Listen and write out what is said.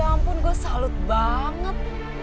ya ampun gue salut banget